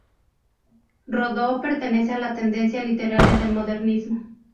Rodó pertenece a la tendencia literaria del modernismo.